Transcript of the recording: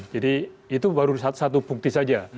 jadi itu baru satu bukti saja